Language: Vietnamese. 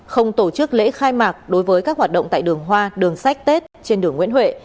không tổ chức lễ khai mạc đối với các hoạt động tại đường hoa đường sách tết trên đường nguyễn huệ